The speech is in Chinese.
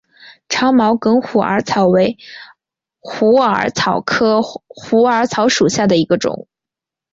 长毛梗虎耳草为虎耳草科虎耳草属下的一个种。